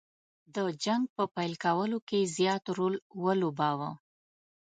د جنګ په پیل کولو کې زیات رول ولوباوه.